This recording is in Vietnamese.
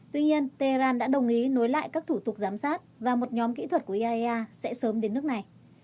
tuy nhiên tehran đã đồng ý nối lại các thủ tục giám sát và một nhóm kỹ thuật của iaea sẽ sớm đến nước này